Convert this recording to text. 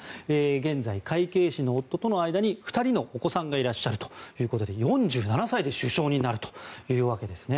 現在、会計士の夫との間に２人のお子さんがいらっしゃるということで４７歳で首相になるというわけですね。